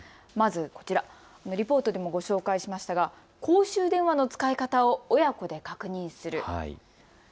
まずこちら、リポートでもご紹介しましたが公衆電話の使い方を親子で確認する。